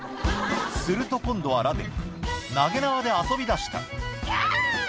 すると今度はラデック投げ縄で遊びだしたきゃ！